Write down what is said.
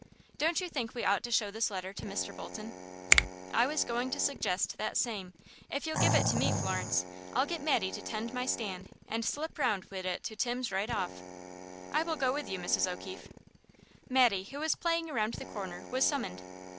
Don't you think we ought to show this letter to Mr. Bolton?" "I was going to suggest that same. If you'll give it to me, Florence, I'll get Mattie to tend my stand, and slip round wid it to Tim's right off." "I will go with you, Mrs. O'Keefe." Mattie, who was playing around the corner, was summoned.